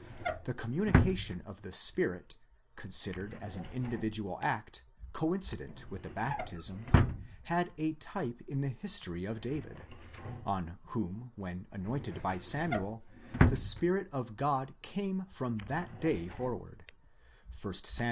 The communication of the Spirit, con sidered as an individual act, coincident with the baptism, had a type in the history of David, on whom, when anointed by Samuel, the spirit of Godc ame from that day forward (1 Sam.